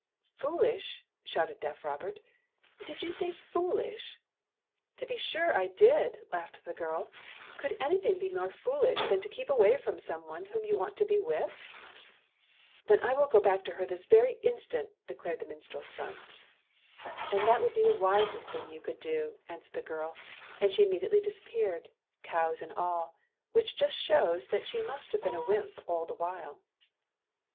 " Foolish ?" shouted deaf Robert. '' Did you S2iy foolzs/if'' " To be sure I did," laughed the girl. " Could anything be more foolish than to keep away from some one whom you want to be with ?" "Then I will go back to her this very in stant," declared the minstrel's son. " And that would be the wisest thing you could do," answered the girl; and she immedi ately disappeared, cows and all, which just shows that she must have been a wymp all the while.